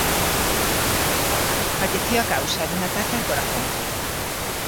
Falleció a causa de un ataque al corazón.